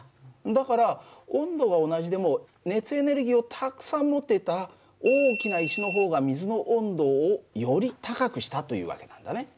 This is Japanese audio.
だから温度は同じでも熱エネルギーをたくさん持ってた大きな石の方が水の温度をより高くしたという訳なんだね。